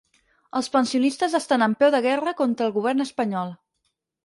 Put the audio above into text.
Els pensionistes estan en peu de guerra contra el govern espanyol.